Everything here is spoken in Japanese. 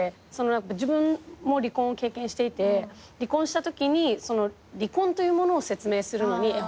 自分も離婚を経験していて離婚したときに離婚というものを説明するのに絵本を使ったの。